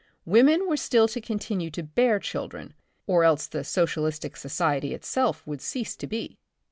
Women were still to continue to bear children, or else the socialistic society itself would cease to be.